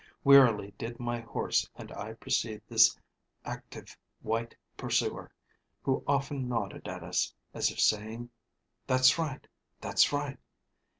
Wearily did my horse and I precede this active white pursuer, who often nodded at us, as if saying, 'That's right! that's right!'